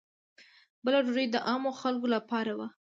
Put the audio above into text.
بله ډوډۍ د عامو خلکو لپاره وه.